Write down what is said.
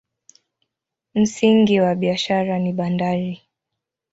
Msingi wa biashara ni bandari.